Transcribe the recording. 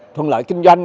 thuận lợi kinh doanh